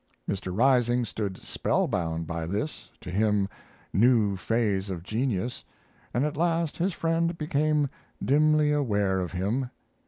Mr. Rising stood spellbound by this, to him, new phase of genius, and at last his friend became dimly aware of him.